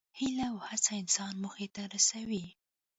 هیله او هڅه انسان موخې ته رسوي.